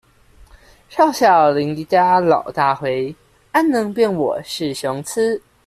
少小離家老大回，安能辨我是雄雌